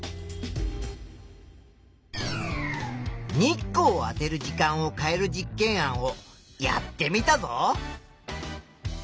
日光をあてる時間を変える実験案をやってみたぞ。